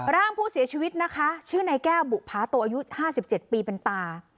ร่างผู้เสียชีวิตนะคะชื่อนายแก้วบุภาโตอายุ๕๗ปีเป็นตา